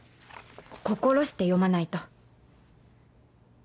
心して読まないと